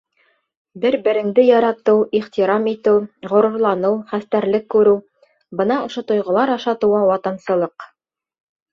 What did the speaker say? Бер-береңде яратыу, ихтирам итеү, ғорурланыу, хәстәрлек күреү — бына ошо тойғолар аша тыуа ватансылыҡ.